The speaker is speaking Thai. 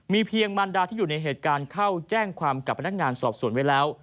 เพียงมันดาที่อยู่ในเหตุการณ์เข้าแจ้งความกับพนักงานสอบสวนไว้แล้ว